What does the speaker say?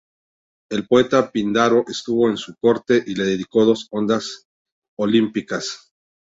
El poeta Píndaro estuvo en su corte y le dedicó dos odas olímpicas.